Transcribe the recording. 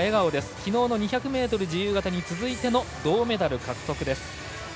きのうの２００ｍ自由形に続いての銅メダル獲得です。